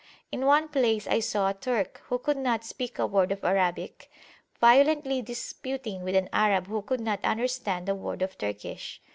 In one place I saw a Turk, who could not speak a word of Arabic, violently disputing with an Arab who could not understand a word of Turkish.